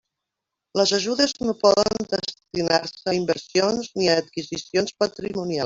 Les ajudes no poden destinar-se a inversions ni a adquisicions patrimonials.